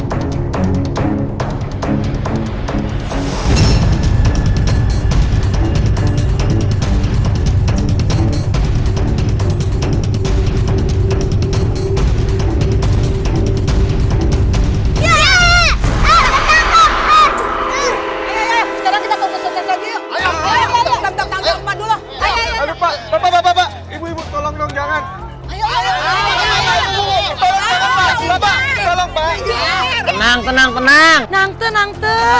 tenang tenang tenang tenang tenang tenang